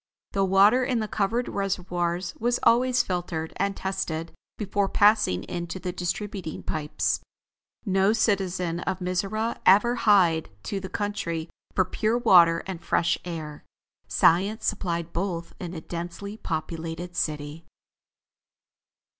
The water in the covered reservoirs was always filtered and tested before passing into the distributing pipes. No citizen of Mizora ever hied to the country for pure water and fresh air. Science supplied both in a densely populated city.